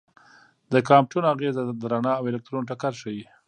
د کامپټون اغېز د رڼا او الکترون ټکر ښيي.